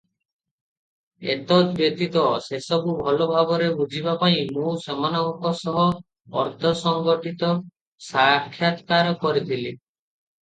ଏତଦ୍ ବ୍ୟତୀତ ସେସବୁ ଭଲ ଭାବରେ ବୁଝିବା ପାଇଁ ମୁଁ ସେମାନନଙ୍କ ସହ ଅର୍ଦ୍ଧ-ସଂଗଠିତ ସାକ୍ଷାତକାର କରିଥିଲି ।